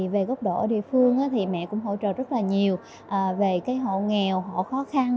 về gốc độ ở địa phương thì mẹ cũng hỗ trợ rất là nhiều về cái hộ nghèo hộ khó khăn